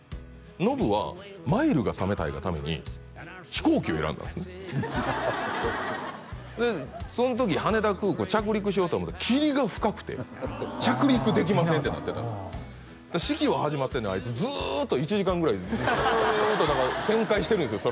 ノブはマイルがためたいがために飛行機を選んだんですねでその時羽田空港着陸しようと思ったら霧が深くて着陸できませんってなってたと式は始まってんのにあいつずっと１時間ぐらいずっと何か旋回してるんですよ